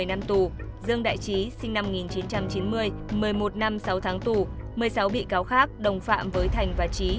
một mươi năm tù dương đại trí sinh năm một nghìn chín trăm chín mươi một mươi một năm sáu tháng tù một mươi sáu bị cáo khác đồng phạm với thành và trí